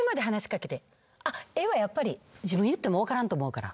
「あっええわやっぱり自分言っても分からんと思うから」